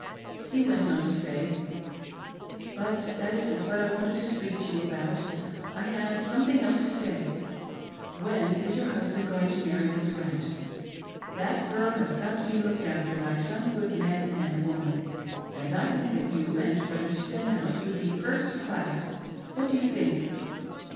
He went On to say :" But that isn't what I wanted to speak to you about" ; I had something else to say. When is your husband going to mairry Miss Grant } That girl has got to be looked after by some good man and woman, and I think that you and Brother Stenhouse would do first class. What do you think